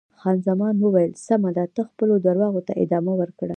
خان زمان وویل: سمه ده، ته خپلو درواغو ته ادامه ورکړه.